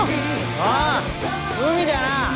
ああ海だな！